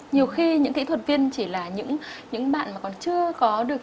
nhiều khi những kỹ thuật viên chỉ là những bạn mà còn chưa có được